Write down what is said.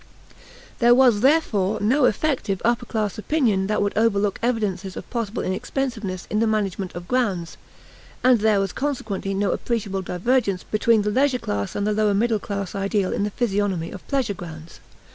There was, therefore, no effective upper class opinion that would overlook evidences of possible inexpensiveness in the management of grounds; and there was consequently no appreciable divergence between the leisure class and the lower middle class ideal in the physiognomy of pleasure grounds.